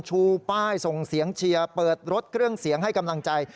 ชูป้ายส่งเสียงเชียร์เปิดรถเครื่องเสียงให้กำลังใจ